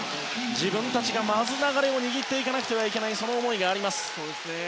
自分たちがまず、流れを握っていかなくてはいけないその思いがあります。